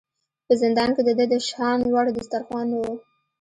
په زندان کې د ده د شان وړ دسترخوان نه و.